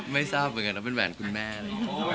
ไม่ทราบเหมือนกันว่าเป็นแหวนคุณแม่